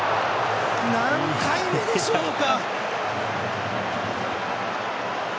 何回目でしょうか！